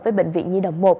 với bệnh viện nhi đồng một